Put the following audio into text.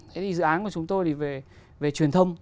thế thì dự án của chúng tôi thì về truyền thông